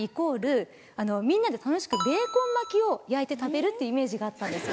みんなで楽しく。を焼いて食べるってイメージがあったんです。